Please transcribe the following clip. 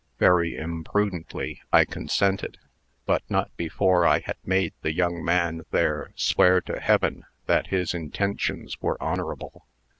Very imprudently, I consented, but not before I had made the young man there swear to Heaven that his intentions were honorable.